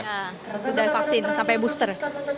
ya sudah divaksin sampai booster